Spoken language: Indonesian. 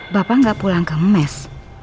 bapak nggak pulang ke mes